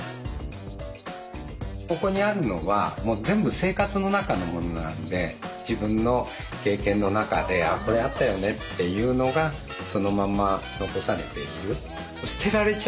ここにあるのはもう全部自分の経験の中で「これあったよね」っていうのがそのまんま残されている。